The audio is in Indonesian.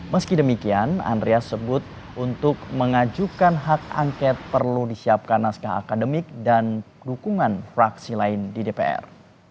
meski demikian andreas sebut untuk mengajukan hak angket perlu disiapkan naskah akademik dan dukungan fraksi lain di dpr